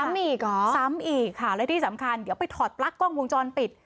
อีกเหรอซ้ำอีกค่ะและที่สำคัญเดี๋ยวไปถอดปลั๊กกล้องวงจรปิด